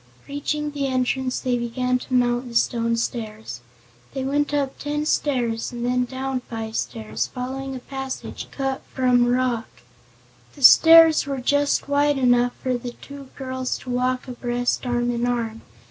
Reaching the entrance they began to mount the stone stairs. They went up ten stairs and then down five stairs, following a passage cut from the rock. The stairs were just wide enough for the two girls to walk abreast, arm in arm.